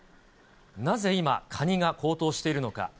なぜ今、カニが高騰しているのか。